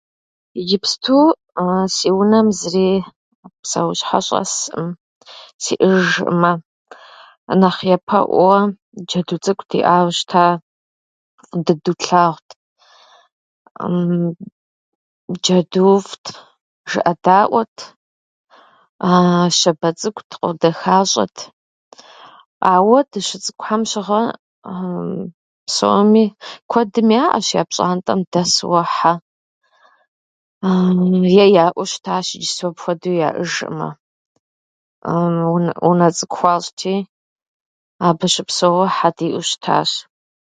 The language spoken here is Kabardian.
Иджыпсту си унэм зыри псэущхьэ щӏэсӏым, сиӏэжӏымэ. Нэхъ япэӏуэ джэду цӏыкӏу диӏауэ щыта, фӏы дыдэу тлъагъут джэдууфӏт, жыӏэдаӏуэт, щабэ цӏыкӏут, къодэхащӏэт, ауэ дыщыцӏыкӏухьэм щыгъуэ псоми куэдым яӏэщ я пщӏантӏэм дэсууэ хьэ е яӏэу щытащ, иджыпсту апхуэду яӏэжӏымэ унэ цӏыкӏу хуащӏти, абы щыпсэууэ хьэ диӏэу щытащ.